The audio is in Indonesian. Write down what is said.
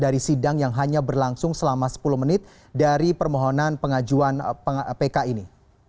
dari sidang yang hanya berlangsung selama sepuluh menit dari permohonan pengajuan pk ini